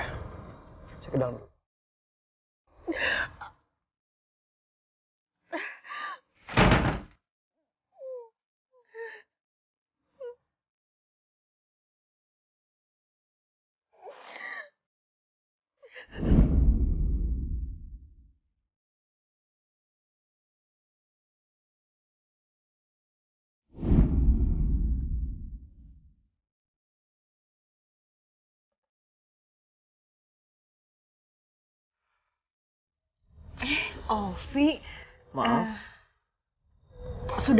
saya ke dalam dulu